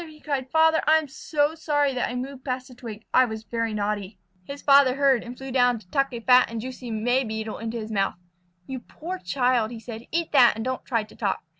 he cried. "Father, I am so sorry that I moved past the twig. I was very naughty." His father heard and flew down to tuck a fat and juicy May Beetle into his mouth. "You poor child!" said he. "Eat that and don't try to talk.